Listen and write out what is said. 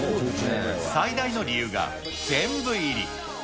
最大の理由が、全部入り。